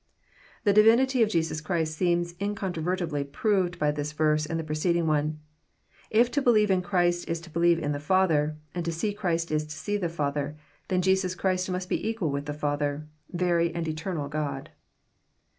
The divinity of Jesus Christ seems incontrovertibly proved by this verse and the preceding one. If to believe in Christ is to believe in the Father, and to see Christ is to see the Father, then Jesus Christ must be equal with the Father, — very and eternal God.